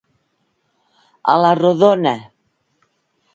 A la rodona.